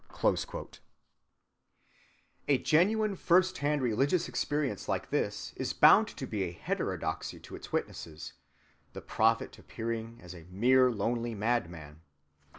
(197) A genuine first‐hand religious experience like this is bound to be a heterodoxy to its witnesses, the prophet appearing as a mere lonely madman.